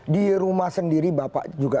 di rumah sendiri bapak juga